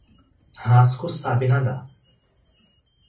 Rasko sabe nadar.